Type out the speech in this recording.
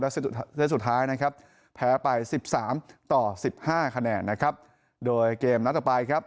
เซตสุดท้ายนะครับแพ้ไป๑๓ต่อ๑๕คะแนนนะครับโดยเกมนัดต่อไปครับ